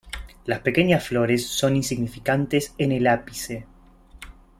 Las pequeñas flores son insignificantes en el ápice.